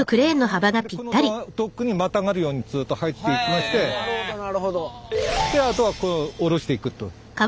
このドックにまたがるようにずっと入っていきましてあとは降ろしていくと。